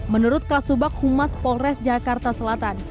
menurut kasubag humas polres jakarta selatan